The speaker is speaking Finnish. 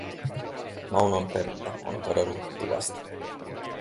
Maunon Pertta on kadonnut tuvasta.